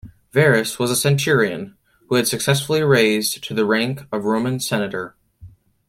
Verus was a centurion, who had successfully raised to the rank of Roman Senator.